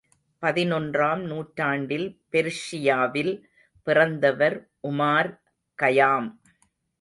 பதினொன்றாம் நூற்றாண்டில் பெர்ஷியாவில் பிறந்தவர் உமார் கயாம்.